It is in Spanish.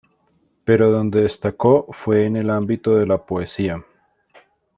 Pero donde destacó fue en el ámbito de la poesía.